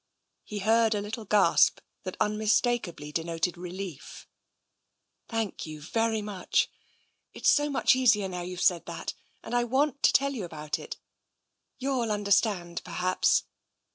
He heard a little gasp that unmistakably denoted relief. " Thank you very much. It's so much easier now you've said that — and I want to tell you about it. Youll understand, perhaps."